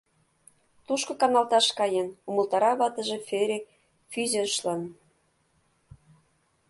— Тушко каналташ каен, — умылтара ватыже Фери Фӱзешлан.